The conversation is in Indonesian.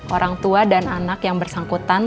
orang tua dan anak yang bersangkutan